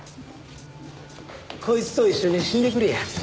こいつと一緒に死んでくれや。